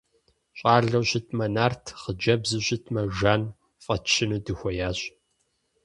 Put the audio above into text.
Щӏалэу щытмэ Нарт, хъыджэбзу щытмэ Жан фӏэтщыну дыхуеящ.